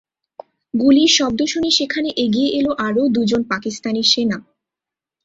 গুলির শব্দ শুনে সেখানে এগিয়ে এল আরও দুজন পাকিস্তানি সেনা।